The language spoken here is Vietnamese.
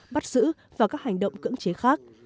bắt giữ và các hành động cưỡng chế khác